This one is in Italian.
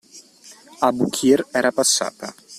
Abukir era passata.